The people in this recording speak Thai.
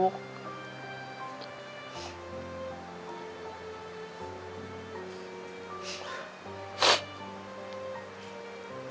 สู้ไปกัน